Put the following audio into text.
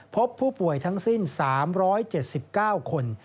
พบผู้ป่วยทั้งสิ้น๓๗๙คน